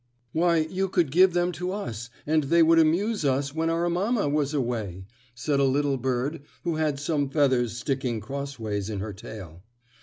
"Why, you could give them to us and they would amuse us when our mamma was away," said a little bird who had some feathers sticking crossways in her tail.